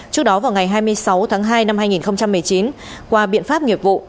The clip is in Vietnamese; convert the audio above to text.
trước đó vào ngày hai mươi sáu tháng hai năm hai nghìn một mươi chín qua biện pháp nghiệp vụ